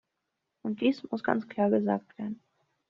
Und dies muss ganz klar gesagt werden.